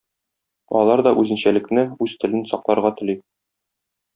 Алар да үзенчәлекне, үз телен сакларга тели.